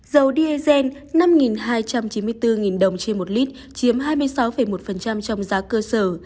dầu diesel năm hai trăm chín mươi bốn đồng trên một lít chiếm hai mươi sáu một trong giá cơ sở